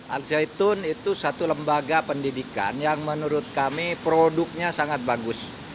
al zaitun itu satu lembaga pendidikan yang menurut kami produknya sangat bagus